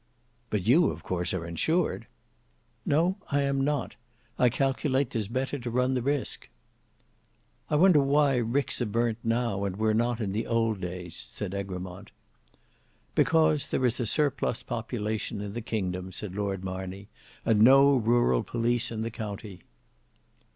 "But you, of course, are insured?" "No, I am not; I calculate 'tis better to run the risk." "I wonder why ricks are burnt now, and were not in old days," said Egremont. "Because there is a surplus population in the kingdom," said Lord Marney, "and no rural police in the county."